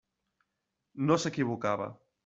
No s'equivocava.